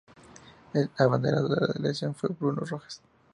El abanderado de la delegación fue Bruno Rojas.